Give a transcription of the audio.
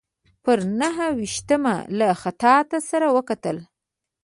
پر نهه ویشتمه له خطاط سره وکتل.